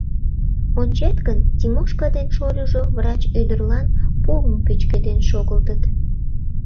Ончет гын, Тимошка ден шольыжо врач ӱдырлан пуым пӱчкеден шогылтыт.